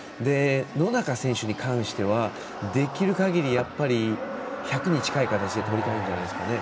野中選手に関してはできるかぎりやっぱり１００に近い形で取りたいんじゃないですかね。